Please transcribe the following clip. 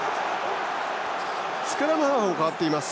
スクラムハーフも代わっています。